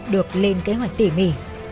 được lên kế hoạch tỉ mỉ